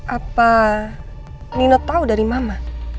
apa nino tahu dari mama